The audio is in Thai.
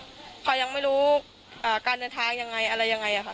สุดท้ายตัดสินใจเดินทางไปร้องทุกข์การถูกกระทำชำระวจริงและตอนนี้ก็มีภาวะซึมเศร้าด้วยนะครับ